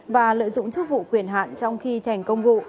và lợi dụng chức vụ quyền hạn trong khi thi hành công vụ